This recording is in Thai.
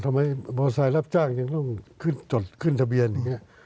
ทำไมบอสายรับจ้างยังต้องจดขึ้นทะเบียนอย่างนี้